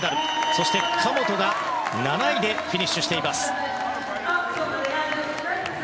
そして神本が７位でフィニッシュしています。